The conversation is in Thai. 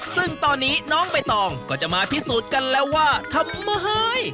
ซึ่งตอนนี้น้องใบตองก็จะมาพิสูจน์กันแล้วว่าทำไม